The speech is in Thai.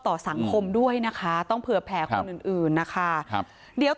ต่อสังคมด้วยนะคะต้องเผื่อแผ่คนอื่นนะคะครับเดี๋ยว